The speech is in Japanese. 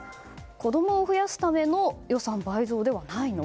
子供を増やすための予算倍増ではないの？